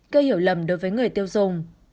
cơ hiểu lầm đối với người tiêu dùng